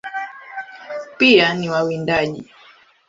Pia ni wawindaji.